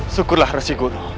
syukurlah resi guru